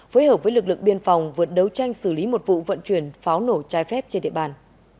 phối hợp với lực lượng biên phòng vượt đấu tranh xử lý một vụ vận chuyển pháo nổ trái phép trên địa bàn